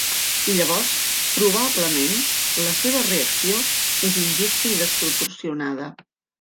I llavors probablement la seva reacció és injusta i desproporcionada.